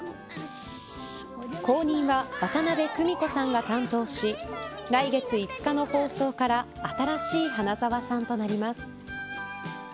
後任は、渡辺久美子さんが担当し来月５日の放送から新しい花沢さんとなります。